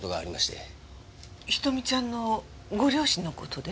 瞳ちゃんのご両親の事で？